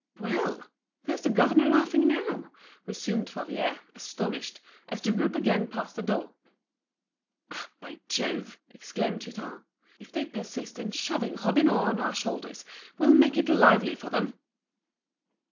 "Well! there's the governor laughing now!" resumed Favier, astonished, as the group again passed the door. "Ah, by Jove!" exclaimed Hutin, "if they persist in shoving Robineau on our shoulders, we'll make it lively for them!"